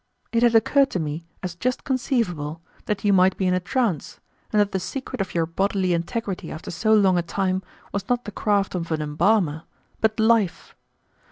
It had occurred to me as just conceivable that you might be in a trance, and that the secret of your bodily integrity after so long a time was not the craft of an embalmer, but life.